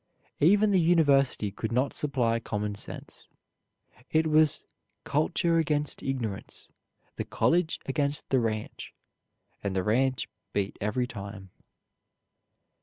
Even the University could not supply common sense. It was "culture against ignorance; the college against the ranch; and the ranch beat every time."